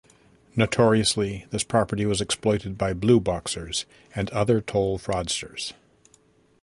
Notoriously, this property was exploited by blue boxers and other toll fraudsters.